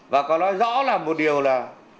và có nói rõ là một điều là